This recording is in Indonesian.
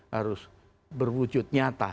harus berwujud nyata